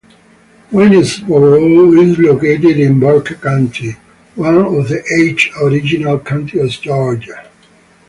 Waynesboro is located in Burke County, one of the eight original counties of Georgia.